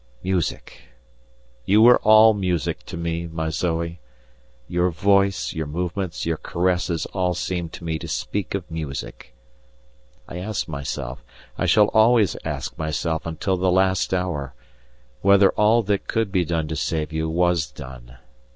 Music! you were all music to me, my Zoe. Your voice, your movements, your caresses all seemed to me to speak of music. I ask myself, I shall always ask myself until the last hour, whether all that could be done to save you was done.